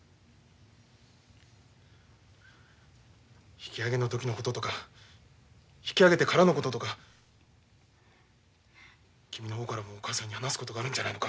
引き揚げの時のこととか引き揚げてからのこととか君の方からもお母さんに話すことがあるんじゃないのか？